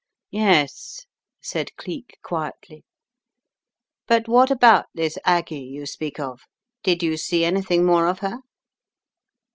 "Yes," said Cleek, quietly. "But what about this Aggie you speak of? Did you see anything more of her?"